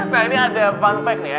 nah ini ada fun back nih ya